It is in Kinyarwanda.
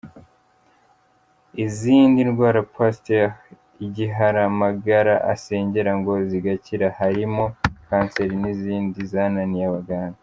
Izindi ndwara Pastor Igiharamagara asengera ngo zigakira harimo Cancer n’izindi zananiye abaganga.